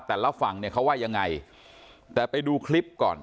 แต่ละฝั่งเนี่ยเขาว่ายังไงแต่ไปดูคลิปก่อน